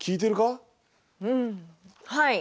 うんはい。